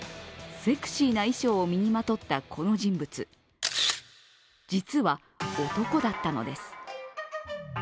セクシーな衣装を身にまとったこの人物、実は男だったのです。